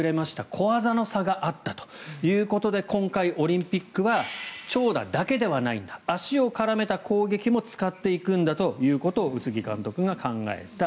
小技の差があったということで今回、オリンピックは長打だけではないんだ足を絡めた攻撃も使っていくんだということを宇津木監督が考えた。